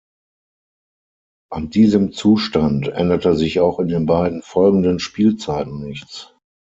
An diesem Zustand änderte sich auch in den beiden folgenden Spielzeiten nichts.